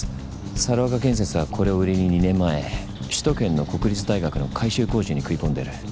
猿岡建設はこれを売りに２年前首都圏の国立大学の改修工事に食い込んでる。